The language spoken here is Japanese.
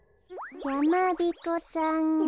やまびこさんが。